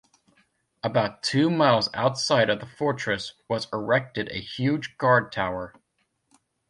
About two miles outside of the fortress was erected a huge guard tower.